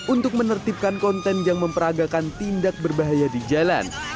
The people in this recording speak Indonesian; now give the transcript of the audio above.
untuk menertibkan konten yang memperagakan tindak berbahaya di jalan